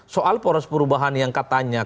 soal poros perubahan yang katanya